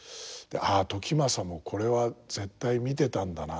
「ああ時政もこれは絶対見てたんだな」